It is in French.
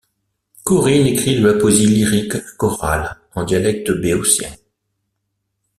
Corinne écrit de la poésie lyrique chorale en dialecte béotien.